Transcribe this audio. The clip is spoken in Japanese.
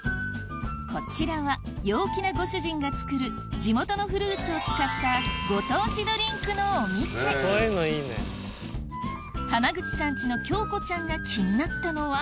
こちらは陽気なご主人が作る地元のフルーツを使ったご当地ドリンクのお店浜口さんちのえっ？